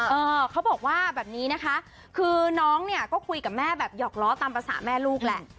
เออเขาบอกว่าแบบนี้นะคะคือน้องเนี่ยก็คุยกับแม่แบบหยอกล้อตามภาษาแม่ลูกแหละ